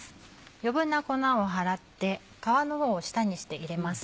余分な粉を払って皮の方を下にして入れます。